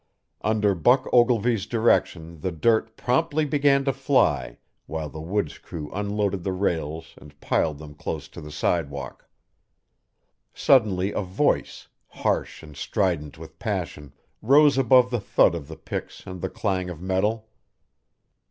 Under Buck Ogilvy's direction the dirt promptly began to fly, while the woods crew unloaded the rails and piled them close to the sidewalk. Suddenly a voice, harsh and strident with passion, rose above the thud of the picks and the clang of metal.